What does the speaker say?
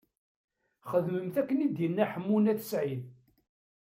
Xedmemt akken i d-yenna Ḥemmu n At Sɛid.